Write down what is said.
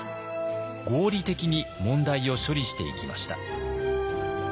合理的に問題を処理していきました。